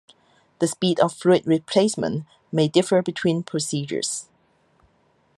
The speed of fluid replacement may differ between procedures.